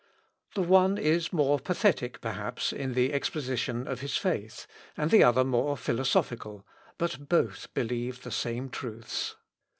The one is more pathetic, perhaps, in the exposition of his faith, and the other more philosophical, but both believe the same truths.